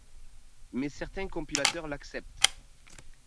Mais certains compilateurs l'acceptent.